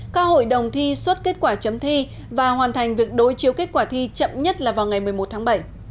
các hội đồng thi xuất kết quả chấm thi và hoàn thành việc đối chiếu kết quả thi chậm nhất là vào ngày một mươi một tháng bảy